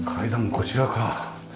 こちらから。